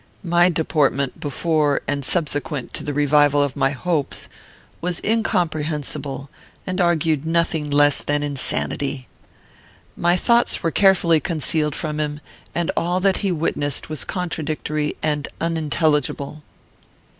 My deportment, before and subsequent to the revival of my hopes, was incomprehensible, and argued nothing less than insanity. My thoughts were carefully concealed from him, and all that he witnessed was contradictory and unintelligible.